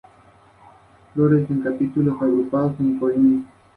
Hasta La Vista Baby!